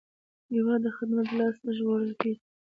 هېواد د خدمت له لاسه ژغورل کېږي.